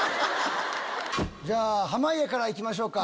じゃあ濱家から行きましょうか。